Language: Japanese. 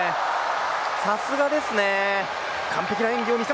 さすがですね。